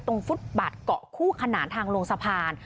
ฟุตบัตรเกาะคู่ขนานทางลงสะพาน